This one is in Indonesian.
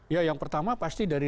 ya yang pertama pasti dari